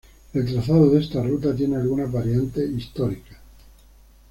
El trazado de esta ruta tiene algunas variantes históricas.